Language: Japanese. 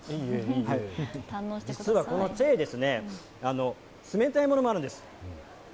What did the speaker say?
実はこのチェーですね、冷たいものもあるんです。